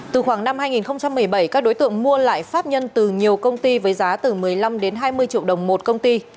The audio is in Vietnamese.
từ khoảng năm hai nghìn một mươi bảy các đối tượng mua lại pháp nhân từ nhiều công ty với giá từ một mươi năm đến hai mươi triệu đồng một công ty